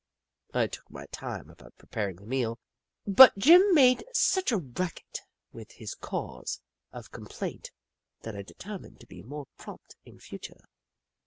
I took my time about preparing the meal, but Jim made such a racket with his caws of complaint that I determined to be more prompt in future.